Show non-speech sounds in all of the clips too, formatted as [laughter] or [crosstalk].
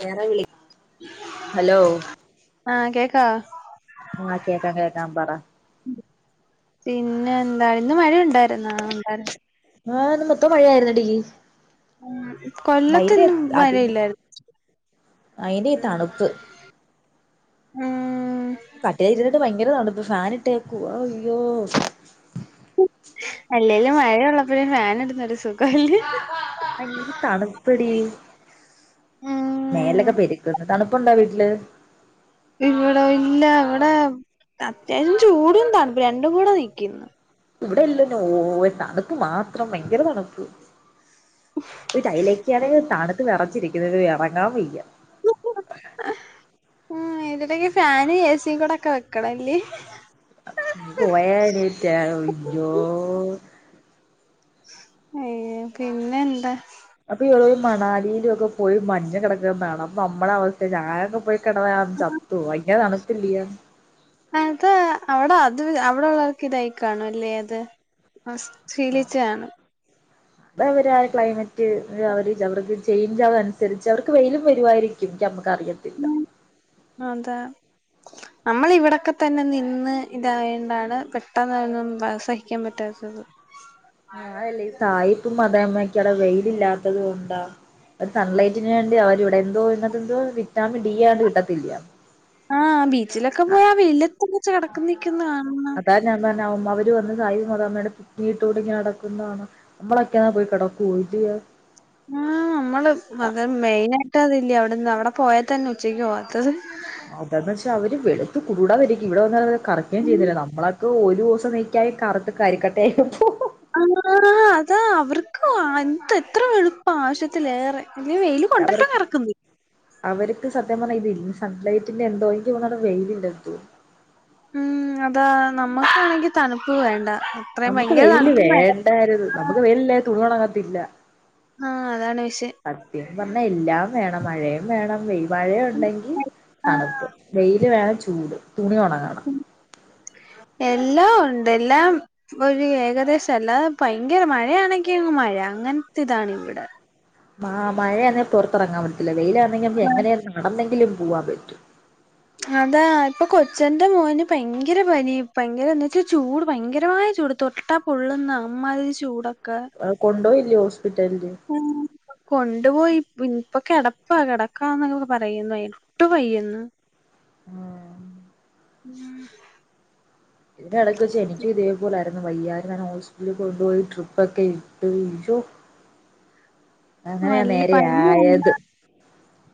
വേറെ വിളി ഹലോ ആ ആ കേക്കാം കേക്കാം പറ പിന്നെന്താ ന്ന് മഴേണ്ടായിരുന്നോ? [unintelligible] ആ ന്ന് മൊത്തം മഴേയിരുന്നെടീ. ആ കൊല്ലത്ത്ന്നും വരില്ലായിരുന്നു. അയിന്റെ ഈ തണുപ്പ് ആ കട്ടിലിര്ന്നിട്ടും ഭയങ്കര തണ്ടൽ പ്രശ്നാ. ആനിട്ട് കാ യ്യോ, അല്ലേലും മഴേള്ളപ്പഴേ ഫാനിടുന്നൊരു സുഖാല്ലേ? [unintelligible] തണുപ്പെടീ. ഉം മേലൊക്കെ പെരുക്ക്ണ് തണുപ്പുണ്ടോ വീട്ടില്? ഇവടെ ഇല്ല, വ്ടേ അത്യാവശ്യം ചൂടും തണുരണ്ടപ്പും രണ്ടും കൂടെ നിക്കും. ഇവ്ടെല്ലെന്നേ ഓ തണുപ്പ് മാത്രം ഭയങ്കര തണുപ്പ്. ഒരു തയ്ലേക്കാണ് തണുത്ത് വെറച്ചിരിക്കുന്നത്. യെറങ്ങാൻ വയ്യ. ഉം ഇതിട്ടക്കക്ക് ഫാന് എ സിം കൂടൊക്കെ വെക്കണഞ്ഞ്. പോയേണേറ്റെ ജോ ഏ പിന്നെ ന്താ? അപ്പൊ രോ മണാലീലൊക്കെ പോയി മഞ്ഞ് കെടക്ക്ണ് കാണം. അപ്പമ്മടെ അവസ്ഥ ഞാനൊക്കെ പോയി കെടന്ന ഞാ ചത്തു പോകും. ഭയങ്കര തണുപ്പില്ല്യ. അത് അവ്ടെ അത് അവിടെള്ളോർക്കിതായി കാണുംല്ലേ യത്. ആ ശീലിച്ചയാണ്. അതവര് ആ ക്ലൈമറ്റ് അവര് അവട്ക്ക് ചേയ്ഞ്ചാവാണ് സരിച്ച് അവർക്ക് വെയിലും വരുവായിരിക്കും. നമ്മ ഉം അതെ നമ്മളിവടൊക്കെ തന്നെ നിന്ന് തായോണ്ടാണ് പെട്ടെന്ന്ന്നും പ സഹിക്കാൻ പറ്റാത്തത് [inaudible] ആ അതല്ലേ ഈ സായിപ്പും മതമ്മോക്കെ അവ്ടെ വെയിലില്ലാത്തത് കൊണ്ടാ ഒരു സൺലൈറ്റിന് വേണ്ടി അവരിവ്ടെ യെന്തോ പിന്നെതെന്തുവാ വിറ്റാമിൻ ഡിയണ്ട് കിട്ടത്തില്ല ആ ബീച്ചിലൊക്കെ പോയി ആ വെയ്ലത്ത് ച്ച് കടക്ക്ന്നെക്കെ അതാ ഞാൻ പർ ന്ന വര് വന്ന് സായി മതാമ്മേടെ [unintelligible] ക്കൂടിങ്ങനെ നടക്ക്ന്നകാണാ മ്മളൊക്കെയാ പോയി കെടക്കൂ [unintelligible] ആ നമ്മള് അത് മെയിനായിട്ട് അതില്ല്യാേ അവിടെന്ന് അവിടെ പോയാ തന്നെ ഉച്ചക്കോവാത്തത് അതന്ന്ച്ചാ അവര് വെളുത്ത് കൂട് കുടാന്നിരിക്കും ഇവിടെ വന്നാല് അവര് കറക്കേം ചെയ്യ്ന്നില്ല നമ്മളൊക്കൊരൂസം നിക്ക കറത്ത് കരിക്കട്ട ആയീ പൂ ആ അവർക്ക് ആ എന്തെത്ര വെളുപ്പാവശ്യത്തിലേറെ ഞ്ഞ് വെയില് കൊണ്ട്ട്ടും അവർക്ക് കറക്ക്ന്ന് അവർക്ക് സത്യം പറഞ്ഞാൽ ഇതി സൺലൈറ്റിന്റെന്തോ എൻക് തോന്ന്ണ് വെയില്ണ്ട് ന്തോ ഉം അതാ നമ്മക്കാണെങ്കി തണുപ്പ് വേണ്ട അത്രയും നമുക്ക് ഭയങ്കര വെയില് തണുപ്പും വേണ്ട വേണ്ടായ്ര്ന്നു ആഹ് നമുക്ക് വെയില് ല്ലേ തുണിയൊണങ്ങത്തില്ല ആഹ് അതാണ് വിഷയം സത്യം പറഞ്ഞ എല്ലാം വേണം മഴയും വേണം വെയി മഴയുണ്ടെങ്കി ആ തണുപ്പ് വെയില് വേണം ചൂട് തുണി ഒണങ്ങണം [inaudible] എല്ലാം ഒണ്ട് എല്ലാം ഒരു ഏകദേശം അല്ലാതെ ഭയങ്കര മഴയാണെങ്ങി അങ്ങ് മഴ അങ്ങൻത്തിതാണിവിടെ ആ മഴയാന്നെങ്കിൽ പുറത്തെറങ്ങാൻ പറ്റില്ല വെയിലാന്നെങ്കി നമുക്ക് എങ്ങനെയ നടെന്നെ ങ്കിലും പൂവാൻ പറ്റും അതാ ഇപ്പൊ കൊച്ചെന്റെ മോന് ഭയങ്കെര പനി ഭയങ്കെരന്ന്ച്ചാ ചൂട് ഭയങ്കരമായ ചൂട് തൊട്ട പൊള്ള്ന്ന അമ്മാതിരി ചൂട [unintelligible] കൊണ്ടോയില്ലിയോ ഹോസ് ഉം കൊണ്ട്പോയി ഇപ്പൊഞ്ഞ്പ്പൊ കെടപ്പാ കെടക്കാ [unintelligible] ന്നും പറയ്യ്ന്ന് എട്ടും വയ്യന്ന് ആ ഉം ഇതിന്റെ എടക്ക് വെച്ച് എനിക്കും ഇതേപോലായ്ര്ന്നു വയ്യാര്ന്ന് അനെ ഹോസ്പിറ്റൽ കൊണ്ട്പോയി ട്രിപ്പാെക്കെ ഇട്ട് [unintelligible] അങ്ങനെയാ അല്ല നേരെ പനി ആയത്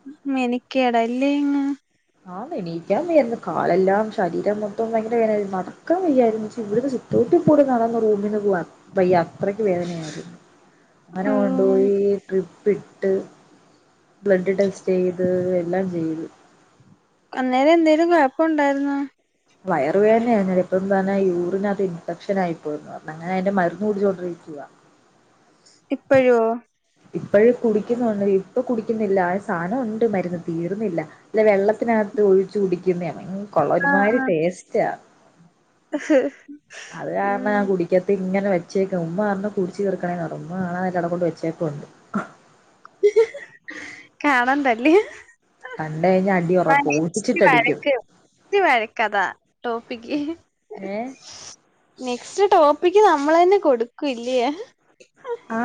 [unintelligible] മെനി കേടായില്ലേ ഇങ്ങ് ആന്ന് എണീക്കാൻ വയ്യാര്ന്ന് കാലെല്ലാം ശരീരം മൊത്തും ഭയങ്കര വേദന നടക്കാൻ വയ്യായിര്ന്നു [unintelligible] മുറ്റം കൂടി കാണാന്ന് റൂമിന്ന് പോവാൻ വയ്യ അത്രക്ക് വേദനയാത് ങ്ങനെ ഉം കൊണ്ട്പോയീ ട്രിപ്പ് ഇട്ട് ബ്ലഡ് ടെസ്റ്റെയ്ത് എല്ലാം ചെയ്ത് അന്നേരം എന്തേലും കൊഴപ്പം ഒണ്ടായിര്ന്നോ വയറു വേദനയ ഞാനിപ്പംപർഞ്ഞ യൂറിനകത്ത് ഇൻഫെക്ഷനായി പോയി അങ്ങനെ അയ്ന്റെ മരുന്ന് കുടിച്ചാേണ്ടിരിക്കുവ ഇപ്പഴോ ഇപ്പോഴും കുടിക്കുന്നുണ്ടെടി ഇപ്പൊ കുടിക്കുന്നില്ല ആ സാധനം ഒണ്ട് മരുന്ന് തീരുന്നില്ല ഇതെ വെള്ളത്തിനക ത്ത് ഒഴിച്ച് കുടിക്കുന്നയാ ഭയ് കൊള്ള ഒരുമാതിരി ആഹ് ടേസ്റ്റാ ആഹ് അത് കാരണം ഉം ഞാൻ കുടിക്കത്തി ഇങ്ങനെ വെച്ചേക്ക ഉമ്മ പറഞ്ഞ് കുടിച്ച് തീർക്കണേന്ന് ഉമ്മ കണാതെ അതവിടെ കൊണ്ട് വെച്ചേക് ഒണ്ട് കാണാണ്ടല്ല്യേ കണ്ട് കഴിഞ്ഞ അടി ഉറപ്പ് ഓടിച്ചിട്ടടിക്കും ത് വഴക്കതാ ടോപ്പിക്ക് ഏ നെക്സ്റ്റ് ടോപ്പിക്ക് താ നമ്മളെന്നെ കൊടുക്കുംല്ല്യേ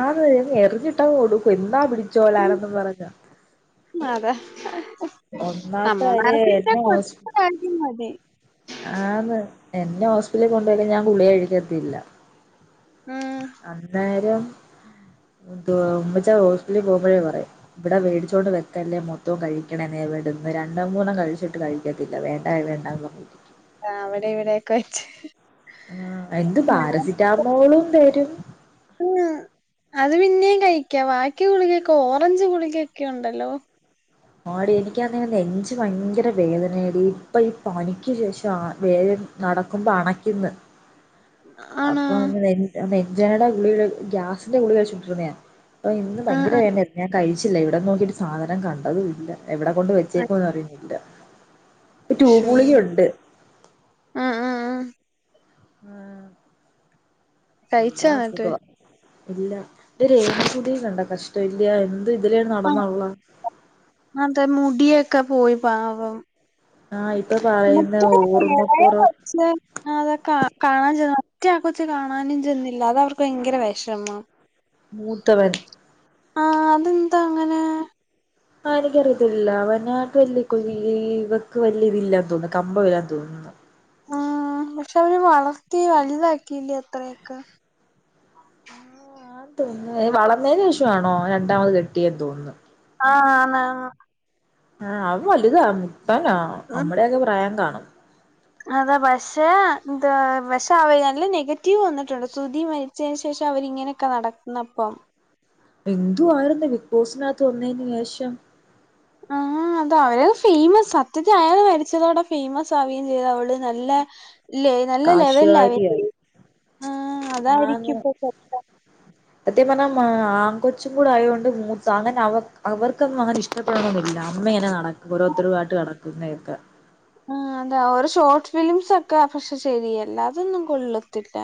ആള് എനി എറിഞ്ഞിട്ടാ കൊടുക്കു എന്താ പിടിച്ചോലനെന്ന് പറഞ്ഞ അതെ ഒന്നാമത്തെ കാര്യം എന്നെ ഹോസ് കൊടുത്ത കാര്യം മതി ആന്ന് പിന്നെ ഹോസ്പിറ്റലിൽ കൊണ്ടുപോയിലെങ്കി ഞാൻ ഗുളിക കഴിക്കത്തില്ല ഉം അന്നേരം [inaudible] മുത്തുവാ ഉമ്മച്ചാ ഹോസ്റ്റലിൽ പോകുമ്പോഴേ പറയും ഇവിടെ വേടിച്ചുകൊണ്ട് വെക്കല്ലേ മൊത്തവും കഴിക്കണമേ എവി ടന്ന് രണ്ടോ മൂന്നോ കഴിച്ചിട്ട് കഴിക്കത്തില്ല വേണ്ടാ വേണ്ടാന്ന് പറയും ആ അവിടെ ഇവിടൊക്കെ വെച്ച് ആ എന്ത് പാരസിറ്റാമോളും തരും ഉം അത് പിന്നേം കഴിക്കാ ബാക്കി ഗുളികൊക്കെ ഓറഞ്ച് ഗുളികെക്കൊണ്ടല്ലോ ആടി എനിക്കാന്നെ നെഞ്ച് ഭയങ്കര വേദനയാടി ഇപ്പൊ ഈ പനിക്ക് ശേഷം ആ വേദന നടക്കുമ്പോ അണക്കിന്ന് ആണോ അപ്പൊ അ [unintelligible] ജെടെ ഗുളികേടെ കൂ ഗ്യാസിന്റെ ഗുളിക കഴിച്ചുണ്ടിരുന്നത അപ്പൊ ഇന്ന് ഭയങ്കര ആഹ് വേദനയായിരുന്നു ഞാൻ കഴി ച്ചില്ല ഇവിടെ നോക്കിട്ട് സാധനം കണ്ടതും ഇല്ല എവിടെ കൊണ്ട് ആഹ് വെച്ചേക്കും എന്ന് അറിയുന്നില്ല ട്യൂബ് ശോ ഗുളിക ഒണ്ട് ആഹ് ആഹ് ആഹ് ഉം കഴിച്ചോ എല്ലാ എന്നിട്ട് അസുഖം ഇല്ല ഇതൊരു രേവതി കുട്ടിയെകണ്ട കഷ്ടമില്ലി യോ ആ അതെ മുടിയൊക്കെ പോയി പാവം ആഹ് ഇപ്പൊ പറയുന്ന മറ്റ ഇളയ ഓർമ്മക്കുറവ് കൊച്ച് അത് ക കാണാൻ ചെ റ്റെആ കൊച്ച് കാണാനും ചെന്നില്ല അത് അവർക്ക് ഭയങ്കര വെഷമമം മൂത്തവൻ ആ അതെന്താ അങ്ങനെ ആ എനിക്കറിയത്തില്ല അവനട്ട് വല്യ കൊ ഇവക്ക് വല്യ ഇതില്ലാത്തോണ്ട് കമ്പം ഇല്ലാന്ന് തോന്നന്ന് ഉം പക്ഷെ അവര് വളർത്തി വലുതാക്കിയില്ലേ ത്രയൊക്കെ ആ തോന്ന വളർന്നതിന് ശേഷമാണോ രണ്ടാമത് കെട്ടിയെന്ന് തോന്നുന്നു ആ ആണ് ആ അവള് വലുതാ മുത്തനാ ഉം നമ്മടെയൊക്കെ പ്രായം കാണും അതാ പക്ഷേ എന്ത പക്ഷെ അവ നെഗറ്റീവ് വന്നിട്ടുണ്ട് സുതി മരിച്ചതിന് ശേഷം ച്ചവരിങ്ങനെക്കാടന്നപ്പം എന്തുവായിരുന്നു ബിഗ് ബോസിനകത്ത് ഒന്നനേഷം ആ അതവര ഫേമസ് സത്യത്തി അയാൾ മരിച്ചതോടെ ഫേമസ് ആവുകയും ചെയ്ത അവള് നല്ല ഇല്ലേ നല്ല ലെവലിലായി കാശുകാരിയായി ആ അതായിരിക്കും ഇപ്പ [unintelligible] അത്യം പറഞ്ഞ ആ കൊച്ചും കൂടെ ആയതുകൊണ്ട് മൂത്ത അങ്ങനെ അവ അവർക്കൊന്നും അങ്ങനെ ഇഷ്ടപ്പെടണെന്നില്ല മ്മെങ്ങനെ നടക്കും ഓരോത്തരുമായിട്ട് നടക്കുന്ന കേക്ക ആ അതാ ഒരു ഷോർട്ട് ഫിലിംസൊക്കെ പക്ഷെ ശരിയല്ല അതൊന്നും കൊള്ളത്തില്ല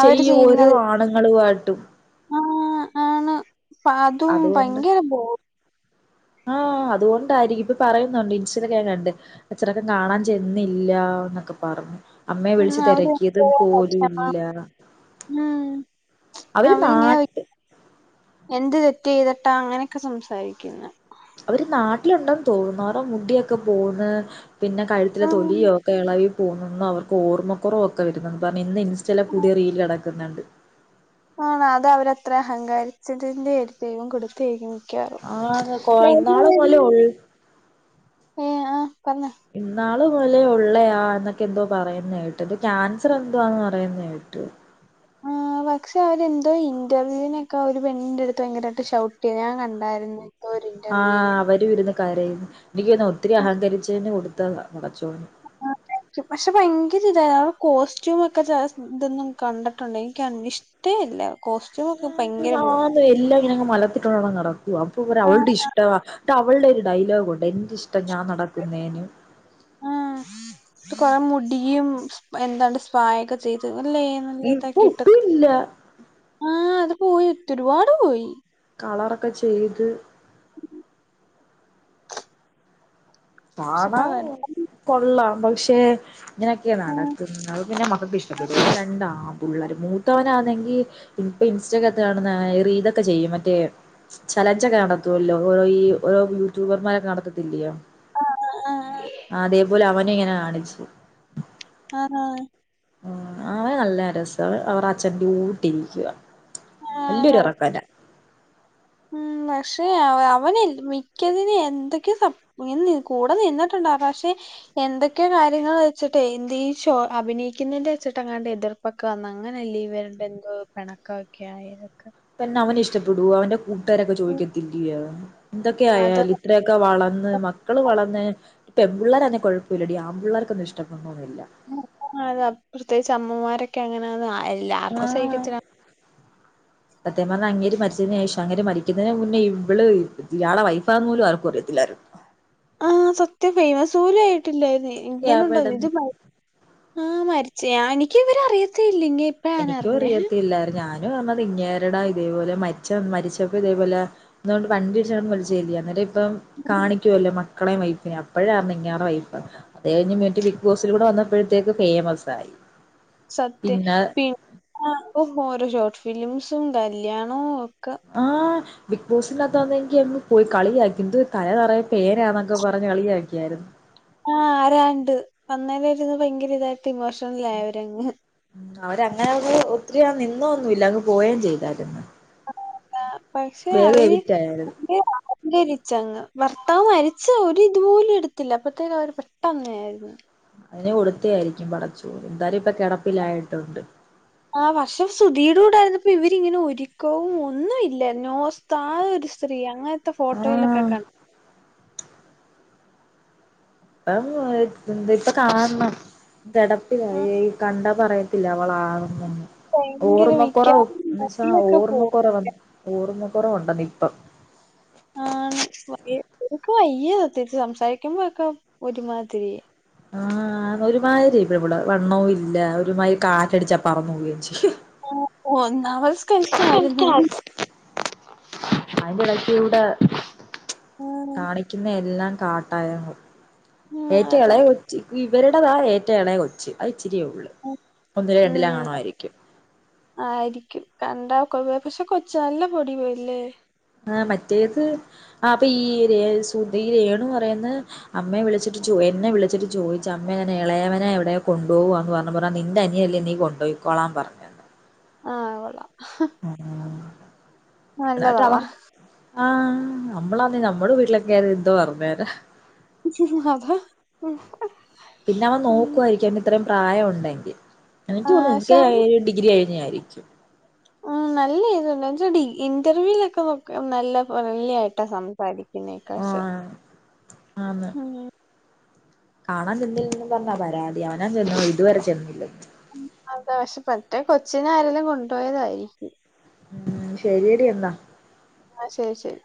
അവര് ചെയ്യു ഓരോ ചെയ്യുന്നത് ആണുങ്ങളുമായിട്ടും അ അതും ഭയങ്കര ബോ ആ അതുകൊണ്ടായിരിക്കും ഇപ്പൊ പറയുന്നൊണ്ട് ഇൻസ്റ്റെലൊക്കെ ഞാൻ കണ്ട് അച്ഛനൊക്കെ കാണാൻ ചെന്നില്ല വന്ന് ക്കെ പറഞ്ഞു അമ്മയെ ഉം വിളിച്ചു അവര് തെരക്കിയതു പോലുല്ല ഉം അവര് അവരിങ്ങനെ നാട്ട് എന്ത് തെറ്റ് ചെയ്തിട്ടാ അങ്ങനെയൊക്കെ സംസാരിക്കുന്ന് അവര് നാട്ടിലുണ്ടെന്ന് തോന്നുന്നുഅവരുടെ മുടിയൊക്കെ പോന്ന് പിന്നെ കഴുത്തിലെ ഉം തൊലിയോക്കെ എളവി പോന്നെന്നൊ അവർക്ക് ഓർമ്മക്കൊറവൊക്കെ വരുന്നെന്ന് പറഞ്ഞ് ഇന്ന് ഇൻ സ്റ്റേലെ പുതിയ റീല് കെടക്കുന്നണ്ട് ആണ അത് അവരത്ര അഹങ്കാരിച്ചതിന്റെ ദൈവം കൊടുത്തേക്കും മിക്കവാറും ആന്ന് കൊ ഇന്നാള് മുതലേ ഉൾ [unintelligible] ഏ ആ പറഞ്ഞോ പോലെ ഉള്ളയാാ എന്നൊക്കെ എന്തോ പറയുന്നതായിട്ട് ഇത് ക്യാൻസർ എന്തോവാന്ന് പറയുന്നതായിട്ട് ആഹ പക്ഷെ അവരെന്തോ ഇന്റർവ്യൂവിനൊക്കെ അവര് പെണ്ടിന്റെ അടുത്ത് ഭയങ്കരമായിട്ട് ഷൗട്ട് ചെയ് ഞാ കണ്ടായിരുന്നു ഒരു ആഹ ഇന്റർവ്യൂവിന് അവര ഇരുന്നു കരയുന്നു എനിക്ക് തോന്നുന്നു ഒത്തിരി അഹങ്കരിച്ചന്ന് കൊടുത്ത പക്ഷെ ഭയങ്കര ഇതായ കോസ്റ്റ്യൂമ ഒക്കെ ഇതൊന്നും കണ്ടിട്ടുണ്ട് എനിക്ക് ഇഷ്ടേ ഇല്ല കോസ്റ്റ്യൂം ഒക്കെ ഭയങ്കര ബോ ആ ന്ന് എല്ലാം ഇങ്ങനങ്ങ മല ർത്തിട്ടോണ്ട് നടക്കുവാ. അപ്പൊ അവ ആ അവളുടെ ഇഷ്ടവാ അവളുടെ ഒരു ഡയലോഗ ഉണ്ട് എന്റെ ഇഷ്ടവാ ഞാൻ നടക്കുന്ന പി [unintelligible] ഉ കൊറെ മുടിയും എന്താണ്ട് സ്പായൊക്കെ ചെയ്ത് അല്ലേ നല്ല ഇപ്പൊ ഇതാക്കിട്ടക്ക ഒട്ടും ഇല്ല ആഹ അത് പോയി ഒറ്റരുപാട് പോയി കളറൊക്കെ ചെയ്ത് ഉം പക്ഷെ ആ കാണാം കൊള്ളാം പക്ഷെ ഇങ്ങനെയൊക്കെയ നടക്കുന്നത് പിന്നെ ക്കക്ക് ഇഷ്ടപെടോ രണ്ടാംപിള്ളാരും മൂത്തവനാെങ്കി ഇൻസ്റ്റഗതൊക്കെ ചെയ്യും മറ്റേ ചലഞ്ച്ക്കെ നടത്തുമല്ലോ ഓരോ ഈ ഓരോ യൂട്യൂബർമാരൊക്കെ നടത്തത്തില്ലയോ ആ ആ അതേപോലെ അവന ഇങ്ങനെ കാണിച്ചു ആഹ ആഹ അവ നല്ല രസം അവർ അച്ഛ്റെ കൂട്ടിരിക്കുക ആ വല്യൊരു ഉറപന്റ ഉം പക്ഷെ അവന മിക്കതിന് എന്തൊക്കെയ കൂടെ നിന്നിട്ടു പക്ഷെ എന്തൊക്കെയോ കാര്യങ്ങൾ വെച്ചിട്ട് എന്ത് ഈ ഷോ അഭിനയിക്കുന്നതിന്റെ വെച്ചിട്ട് അങ്ങാണ്ട് എതിർ ഇപ്പൊക്കന്ന അങ്ങനെല്ലീവരുടെ എന്തോ പിണക്കൊക്കെ ആയ പിന്നെ അവന് ഇഷ്ടപ്പെടുൂ അവന്റെ കൂട്ടുകാരൊക്കെ ഉം, ചോദിക്കത്തില്യോ എന്തൊക്കെയ അത് ആായാലും ഇത്രയൊക്കെ വളർന്ന ഏ മക്കള് വളന്നേ പെൺ പിള്ളേരാണെകി കൊഴപ്പല്ലടി ആമ്പിള്ളേർക്കത് ഇഷ്ടപ്പെട്ണോ ന്നി [unintelligible] പ്രത്യേകിച്ച് അമ്മമാരൊക്കെ അങ്ങനെത് ആയി ആഹ സത്യം പറഞ്ഞ അങ്ങേര് മരി [inaudible] ശേഷം അങ്ങര് മരിക്കുന്നതിന് മുന്നേ ഇവള് ഇയാളെ വൈഫാന്ന് പോലും ആർക്കും അറിയതില്ലായിരുന്നു ആഹ സത്യം ഫൈമസോലും ആയിട്ടില്ലായി ഇങ്ങനെണ്ടോ ഇത് എവിടെന്ന് മർ ആ മരിച്ച എനിക്ക് ഇവരറിയത്തി എനിക്കും അറിയത്തില്ലായിരുന്നു ഞാൻ പറഞ്ഞത് ഇങ്ങേരട ഇതേപോലെ മരിച്ച മരിച്ചപ്പോ ഇതേപോലെ [unintelligible] ഇപ്പം കാണിക്കുവല്ലോ മ [inaudible] വൈഫ്ന് അപ്പഴറിഞ്ഞേ ഇങ്ങേരെ വൈഫ് ആന്ന് അത് കഴിഞ്ഞ് മിട്ട് ബിഗ് ബോസിലൂടെ വന്നപ്പോഴത്തേക്ക് ഫേമസ് ആയി സത്യം പിന്നെ പിന്നെ ഓ ഓരോ ഷോർട്ട് ഫിലിംസും കല്യാണോ ആഹ ബിഗ് ബോസിനകത്ത് വന്നെങ്കി [unintelligible] പോയി കളിയാക്കി എന്ത് തല നെറയെ പേനാന്നൊക്കെ പറഞ്ഞ് കളിയാക്കിയായിരുന്നു ആഹ ആരാണ്ട് വന്നേര ഇരു ഭയങ്കര ഇതായിട്ട് ഇമോഷണലായി അവരങ്ങ് അവരങ്ങനെ അങ് ഒത്തിരിയാ നിന്നൊന്നുല്ല അങ്ങ് പോവയും ചെയ്തായിരുന്നു പക്ഷെ വേഗം അവര് എവിക്റ്റ് ആയായിരുന്നു [unintelligible] അ [unintelligible] രിച്ചങ്ങ് ഭർത്താവ് മരി ച്ച ഒരു ഇതുപോലും എടുത്തില്ല അപ്പഴത്തേക്ക അവര് പെട്ടന്നായിരുന്നു അതിനെ കൊടുത്തയായിരിക്കും പടച്ചൂ എന്താലും ഇപ്പൊ കിടപ്പിലായിട്ടുണ്ട് ആഹ് പക്ഷെ സുധീടെ കൂടായിരുന്നപ്പോ ഇവരിങ്ങനെ ഒരിക്കവും ഒന്നും ഇല്ല നോസ്താ ഒരു സ്ത്രീ അങ്ങനെ ത്തെ ഫോട്ടോയിലൊക്കെ ആഹ് കണ്ട ഇപ്പം എ ന്ത ഇപ്പ കാണണം കടപ്പില ആഹ് ഏയ് കണ്ട പറയത്തില്ല അവളാനന്നാ ഭയങ്കര ഓർമ്മക്കുറവും മിക്കവാറും എന്നന്ന്ച്ചാ മുടിയൊക്കെ പോകും ഓർമ്മക്കുറവ വന്ന ഓർമ്മ കുറവുണ്ടെന്ന് ഇപ്പം ആണ് വ എ എനിക്ക് വയ്യ സത്യത്തി സംസാരിക്കുമ്പോയൊക്കെ ഒരുമാതിരി ആ ഒരുമാതിരി ഇവിടെ വണ്ണവും ഇല്ല ഒരുമാതിരി കാറ്റടിച്ചാ പറന്നു പോവൂകയും ചെയ്യും ഒ ഒന്നാമത് സ്‌കൾറ്റായിരുന്നു അയിന്റെ ഇടക്ക് ഇടെ ഉം കാണിക്കുന്ന എല്ലാം കാട്ടായ ഉം, ഏറ്റവും അതാ. എളയ കൊച്ചി ഇവരുടേതാ ഏറ്റവും എളയ കൊച്ച് അത ഇച്ചിരിയൊള്ളു ഒന്നില് ഉം രണ്ടിലാണായിരിക്കും കണ്ട [unintelligible] നല്ല [unintelligible] ആ മറ്റേത് ആ അപ്പ ഈ രെ സുദി ഈ രേണു പറയുന്ന അമ്മയെ വിളിച്ചിട്ട് ചോയി എന്നെ വിളിച്ചിട്ട് ചോദിച്ചു അമ്മേ ഇളയവനെ എവിടെ കൊണ്ടോവാന്ന് പറഞ്ഞപ്പറഞ്ഞ് നിന്റെ അനിയല്ലേ നീ കൊണ്ടോയിക്കോളാൻ പറഞ്ഞ് ആ കൊള്ളാം ആ നല്ലതള്ളേ ആ നമ്മളതെ നമ്മൾ വീട്ടിലൊക്കെ അത് എന്തോ പറഞ്ഞേനെ [unintelligible] പിന്നെ അവൻ ഉം നോക്കുവായിരിക്കും അവൻ ഇത്രയും പ്രായം ഉണ്ടെങ്കിൽ എനിക്ക് തോന്ന ആഹ് പക്ഷെ എനക്ക് അവൻ, ഡിഗ്രി ന്നായിരിക്കും ഉം നല്ല ഇതുണ്ട് ന്ന്ച്ചാ ഇന്റർവ്യൂലൊക്കെ നല്ല ഫ്രണ്ട്‌ലി ആയിട്ടാ സംസാരി പിന്നെ ആ കാശ് ആന്ന് ഉം കാണാൻ ചെന്നില്ലന്ന് പറഞ്ഞാ പരാതി അവനാ ചെന്ന ഇതുവരെ ചെന്നില്ല അതാ പക്ഷെ മറ്റേ കൊച്ചിനെ ആരെലും കൊണ്ടോയതായിരിക്കും ഉം ശരിയടി എന്നാ ആ ശരി ശരി